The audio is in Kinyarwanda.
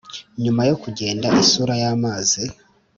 nyuma yo kugenda-isura y'amazi,